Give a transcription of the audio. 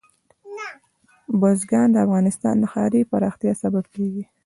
بزګان د افغانستان د ښاري پراختیا سبب کېږي.